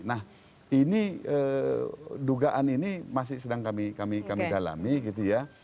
nah ini dugaan ini masih sedang kami dalami gitu ya